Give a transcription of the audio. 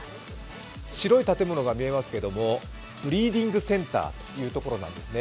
白い建物が見えますけれどもブリーディングセンターというところなんですね。